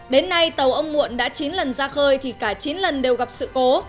đến nay tàu ông muộn đã chín lần ra khơi thì cả chín lần đều gặp sự cố